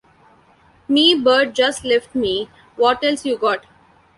Me bird just left me, what else you got?